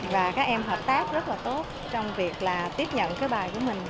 và các em hợp tác rất là tốt trong việc là tiếp nhận cái bài của mình